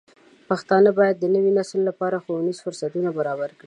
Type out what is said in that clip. پښتانه بايد د نوي نسل لپاره ښوونیز فرصتونه برابر کړي.